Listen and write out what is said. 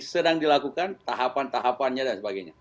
sedang dilakukan tahapan tahapannya dan sebagainya